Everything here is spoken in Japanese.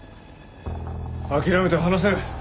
諦めて話せ。